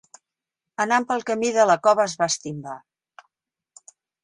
Anant pel camí de la cova es va estimbar.